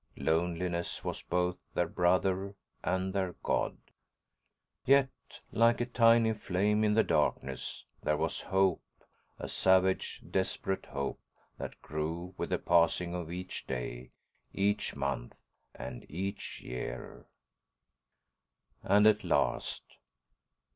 Loneliness was both their brother and their god. Yet, like a tiny flame in the darkness, there was hope, a savage, desperate hope that grew with the passing of each day, each month, and each year. And at last....